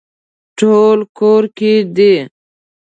ټول کور کې دي